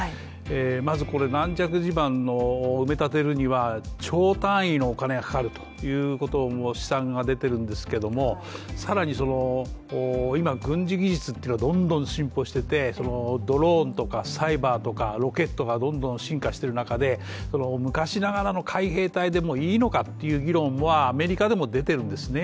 まず、軟弱地盤を埋め立てるには兆単位のお金がかかるという試算が出ているんですけれども、更に今、軍事技術というのはどんどん進歩しててドローンとかサイバーとかロケットがどんどん進化してる中で昔ながらの海兵隊でいいのかという議論はアメリカでも出てるんですね。